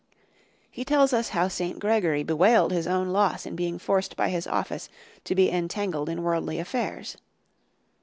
" He tells us how St. Gregory bewailed his own loss in being forced by his office to be entangled in worldly affairs.